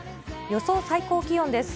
予想最高気温です。